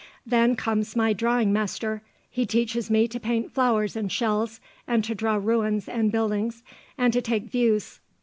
Then comes my drawing master; he teaches me to paint flowers and shells, and to draw ruins and buildings, and to take views....